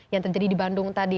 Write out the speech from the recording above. yang terjadi di bandung tadi